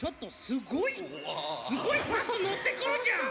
すごいのってくるじゃん。